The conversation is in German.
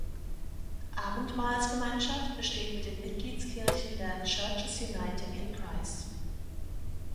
Abendmahlsgemeinschaft besteht mit den Mitgliedskirchen der Churches Uniting in Christ.